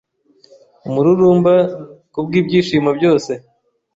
Umururumba kubwibyishimo byose